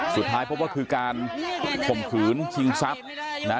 สุดท้ายพบว่าคือการข่มขืนชิงทรัพย์นะ